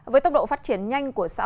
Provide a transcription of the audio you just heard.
với tốc độ phát triển nhanh của sản xuất